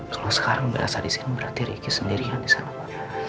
kalau sekarang berasa disini berarti ricky sendirian disana pa